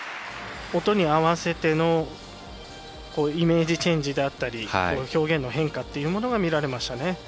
音に合わせてのイメージチェンジであったり表現の変化っていうのが見られましたね。